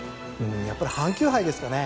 やっぱり阪急杯ですかね。